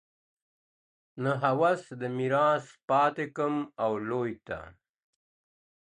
نه هوس د ميراث پاته كم او لوى ته.